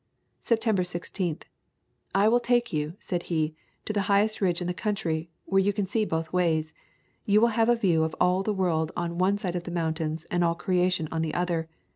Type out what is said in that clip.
September 16. "I will take you," said he, "to the highest ridge in the country, where you can see both ways. You will have a view of all the world on one side of the mountains and all creation on the other.